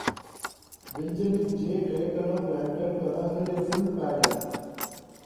Benjamin J. Cayetano granted Kanahele a full pardon.